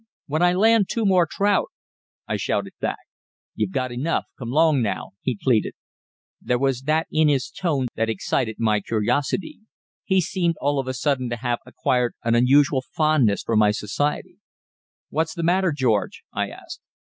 "When I land two more trout," I shouted back. "You've got enough; come 'long now," he pleaded. There was that in his tone that excited my curiosity; he seemed all of a sudden to have acquired an unusual fondness for my society. "What's the matter, George?" I asked.